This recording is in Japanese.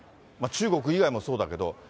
中国以外もそうだけど。